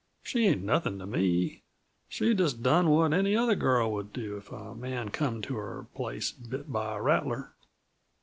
She ain't nothin' to me; she just done what any other girl would do if a man come to her place bit by a rattler."